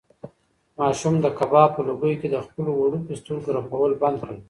ماشوم د کباب په لوګیو کې د خپلو وړوکو سترګو رپول بند کړل.